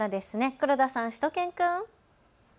黒田さん、しゅと犬くん。